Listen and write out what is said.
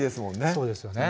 そうですよね